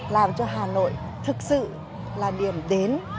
làm cho hà nội thực sự là điểm đến